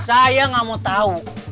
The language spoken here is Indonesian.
saya gak mau tahu